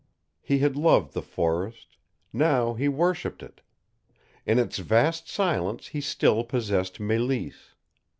He had loved the forest NOW he worshipped it. In its vast silence he still possessed Mélisse.